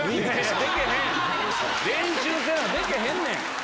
練習せなでけへんねん！